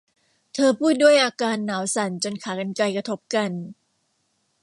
เธอพูดด้วยอาการหนาวสั่นจนขากรรไกรกระทบกัน